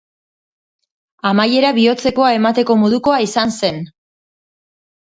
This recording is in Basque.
Amaiera bihotzekoa emateko modukoa izan zen.